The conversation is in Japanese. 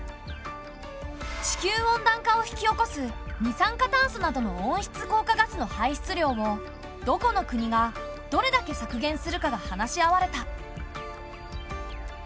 地球温暖化を引き起こす二酸化炭素などの温室効果ガスの排出量をどこの国がどれだけ削減するかが話し合われた。